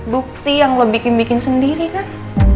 bukti yang lo bikin bikin sendiri kan